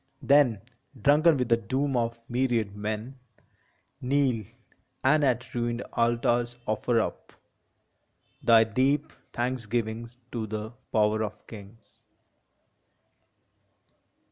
Then, drunken with the doom of myriad men, Kneel, and at ruined altars offer up Thy deep thanksgiving to the power of kings